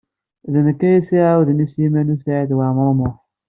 D nekk ay as-iɛawden i Sliman U Saɛid Waɛmaṛ U Muḥ.